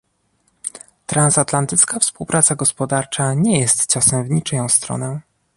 Transatlantycka współpraca gospodarcza nie jest ciosem w niczyją stronę